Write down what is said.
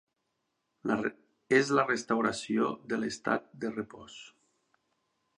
És la restauració de l'estat de repòs.